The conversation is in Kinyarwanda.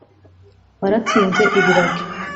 Waratsinze ibiragi.